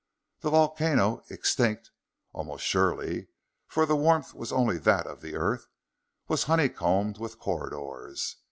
The volcano extinct, almost surely, for the warmth was only that of the earth was honey combed with corridors.